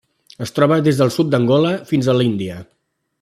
Es troba des del sud d'Angola fins a l'Índia.